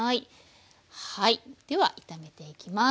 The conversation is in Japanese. では炒めていきます。